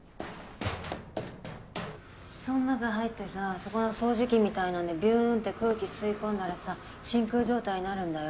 そん中入ってさそこの掃除機みたいのでビュンって空気吸い込んだらさ真空状態になるんだよ。